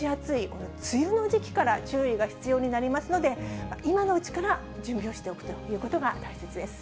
この梅雨の時期から注意が必要になりますので、今のうちから準備をしておくということが大切です。